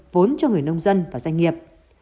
vốn cho người nông dân và doanh nghiệp